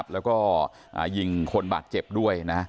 แล้วก็ยิงคนบาดเจ็บด้วยนะ